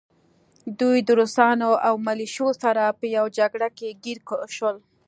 دوی د روسانو او ملیشو سره په يوه جګړه کې ګیر شول